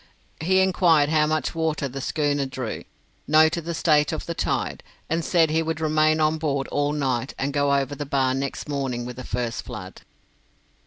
He inquired how much water the schooner drew, noted the state of the tide, and said he would remain on board all night, and go over the bar next morning with the first flood.